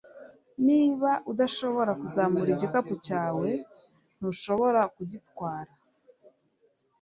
niba udashobora kuzamura igikapu cyawe, ntushobora kugitwara